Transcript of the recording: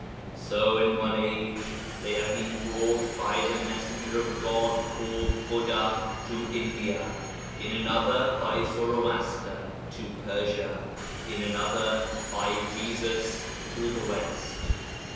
So in one age they have been brought by the messenger of God called Buddha to India, in another by Zoroaster to Persia, in another by Jesus to the West.